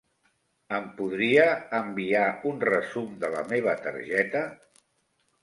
Em podríeu enviar un resum de la meva targeta?